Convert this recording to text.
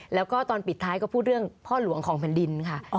แล้วก็ตอนปิดท้ายก็พูดเรื่องพ่อหลวงของแผ่นดินค่ะ